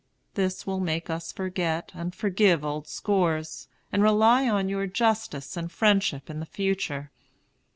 This will make us forget and forgive old scores, and rely on your justice and friendship in the future.